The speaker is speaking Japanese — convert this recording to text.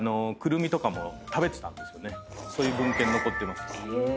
そういう文献残ってます。